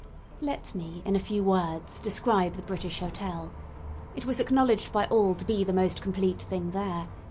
Let me, in a few words, describe the British Hotel. It was acknowledged by all to be the most complete thing there.